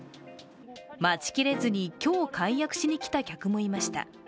待ち切れずに、今日解約しに来た客もいました。